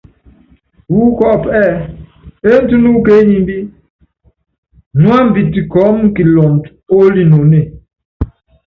Wú kɔ́ɔ́pú ɛ́ɛ́: Enutúnúkú ké enyimbí, nuámbitɛ kɔɔ́mu kilɔndɔ oolinonée.